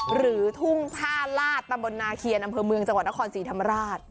หรือทุ่งท่าลาดตำบลนาเคียนอำเภอเมืองจังหวัดนครศรีธรรมราช